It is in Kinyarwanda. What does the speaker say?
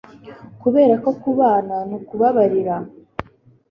Kuberako kubana ni ukubabarira